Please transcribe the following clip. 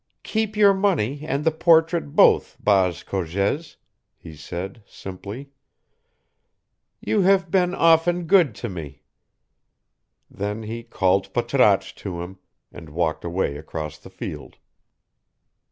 "Keep your money and the portrait both, Baas Cogez," he said, simply. "You have been often good to me." Then he called Patrasche to him, and walked away across the field.